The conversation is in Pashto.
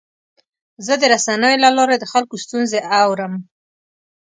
زه د رسنیو له لارې د خلکو ستونزې اورم.